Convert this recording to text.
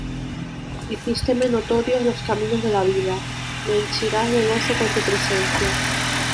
Hicísteme notorios los caminos de la vida; Me henchirás de gozo con tu presencia.